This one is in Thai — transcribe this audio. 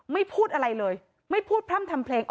พูดอะไรเลยไม่พูดพร่ำทำเพลง